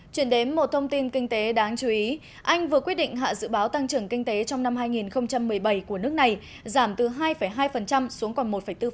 chuyển đến một thông tin kinh tế đáng chú ý anh vừa quyết định hạ dự báo tăng trưởng kinh tế trong năm hai nghìn một mươi bảy của nước này giảm từ hai hai xuống còn một bốn